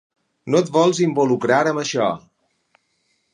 No et vols involucrar amb això.